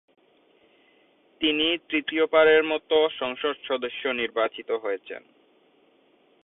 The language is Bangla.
তিনি তৃতীয়বারের মতো সংসদ সদস্য নির্বাচিত হয়েছেন।